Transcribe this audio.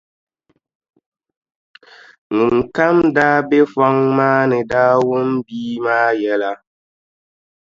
Ŋun kam daa be fɔŋ maa ni daa wum bia maa yɛla.